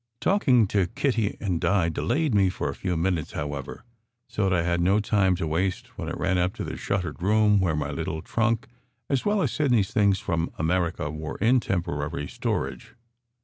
Talking to Kitty and Di delayed me for a few minutes, SECRET HISTORY 271 however, so that I had no time to waste when I ran up to the shuttered room where my little trunk, as well as Sid ney s things from America, were in temporary storage.